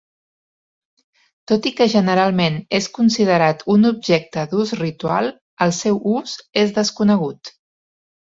Tot i que generalment és considerat un objecte d'ús ritual, el seu ús és desconegut.